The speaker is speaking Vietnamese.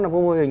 một mô hình